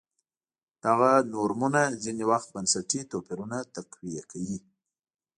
دغه نورمونه ځیني وخت بنسټي توپیرونه تقویه کوي.